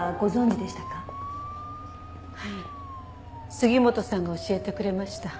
杉本さんが教えてくれました。